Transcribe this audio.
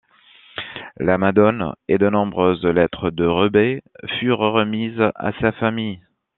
La Madone et de nombreuses lettres de Reuber furent remises à sa famille.